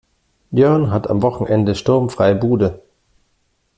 Jörn hat am Wochenende sturmfreie Bude.